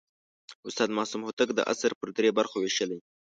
د استاد معصوم هوتک دا اثر پر درې برخو ویشلی.